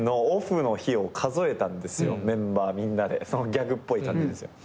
ギャグっぽい感じですよ。